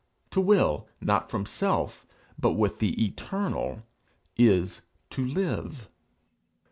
To will, not from self, but with the Eternal, is to live.